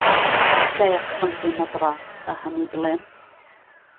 تکایە قسەم پێ مەبڕە، با هەمووی بڵێم.